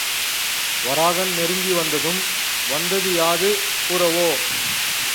வராகன் நெருங்கி வந்ததும், வந்தது யாது கூறவோ?